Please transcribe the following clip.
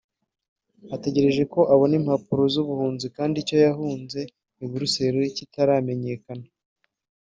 ategereje ko abona impapuro z’ubuhunzi kandi icyo yahunze I Bruxelles kitaramenyakana